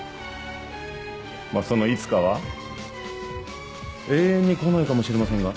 まそのいつかは永遠に来ないかもしれませんが。